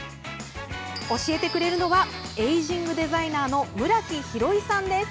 教えてくれるのはエイジングデザイナーの村木宏衣さんです。